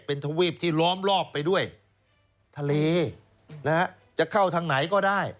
เป็นทวีปที่ล้อมรอบไปด้วยทะเลนะฮะจะเข้าทางไหนก็ได้